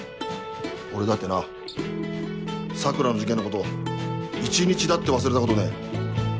俺だってな桜の事件のこと一日だって忘れたことねえ。